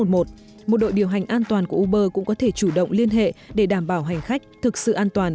một đội điều hành an toàn của uber cũng có thể chủ động liên hệ để đảm bảo hành khách thực sự an toàn